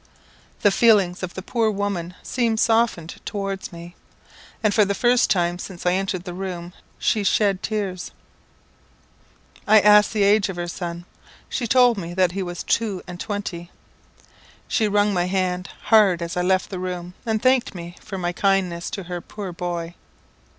The feelings of the poor woman seemed softened towards me, and for the first time since I entered the room she shed tears. I asked the age of her son? She told me that he was two and twenty. She wrung my hand hard as I left the room, and thanked me for my kindness to her poor bhoy.